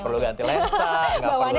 gak perlu ganti lensa gak perlu ribbon